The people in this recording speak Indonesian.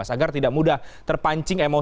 agar tidak mudah terpancing emosi